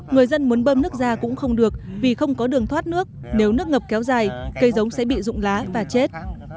người dân muốn bơm nước ra cũng không được vì không có đường thoát nước nếu nước ngập kéo dài cây giống sẽ bị rụng lá và chết